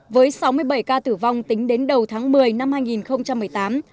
với sáu mươi bảy ca tử vong tính đến đầu tháng một mươi năm hai nghìn một mươi tám